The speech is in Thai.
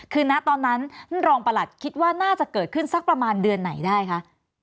คือณตอนนั้นท่านรองประหลัดคิดว่าน่าจะเกิดขึ้นสักประมาณเดือนไหนได้คะ